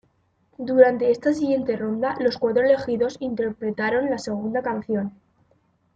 Durante esta siguiente ronda los cuatro elegidos interpretaron la segunda canción.